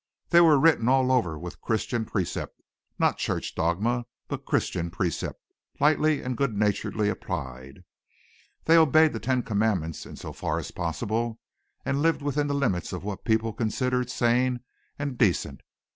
They were written all over with Christian precept not church dogma but Christian precept, lightly and good naturedly applied. They obeyed the ten commandments in so far as possible and lived within the limits of what people considered sane and decent.